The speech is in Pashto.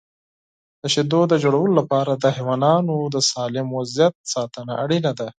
د شیدو د تولید لپاره د حیواناتو د سالم وضعیت ساتنه اړینه ده.